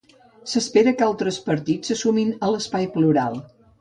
S'espera que altres partits se sumin a Espai Plural.